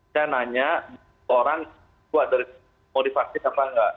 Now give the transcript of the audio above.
saya tanya orang buat dari motivasi apa enggak